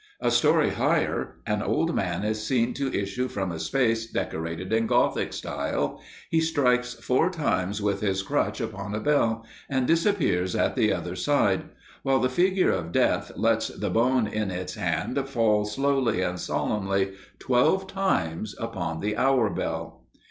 A story higher, an old man is seen to issue from a space decorated in Gothic style; he strikes four times with his crutch upon a bell, and disappears at the other side, while the figure of Death lets the bone in its hand fall slowly and solemnly, twelve times, upon the hour bell.